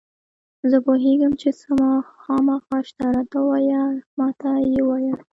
زه پوهېږم یو څه خامخا شته، راته ووایه، ما ته یې ووایه.